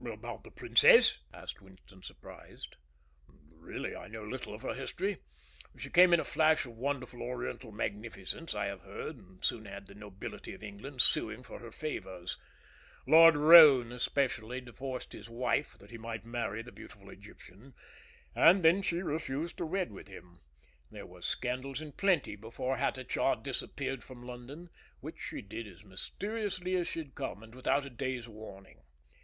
"About the Princess?" asked Winston, surprised. "Really, I know little of her history. She came in a flash of wonderful oriental magnificence, I have heard, and soon had the nobility of England suing for her favors. Lord Roane especially divorced his wife that he might marry the beautiful Egyptian; and then she refused to wed with him. There were scandals in plenty before Hatatcha disappeared from London, which she did as mysteriously as she had come, and without a day's warning.